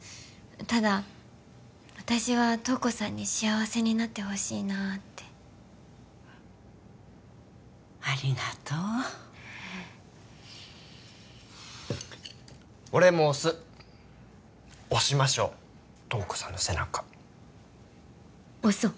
ただ私は瞳子さんに幸せになってほしいなってありがとう俺も押す押しましょう瞳子さんの背中押そう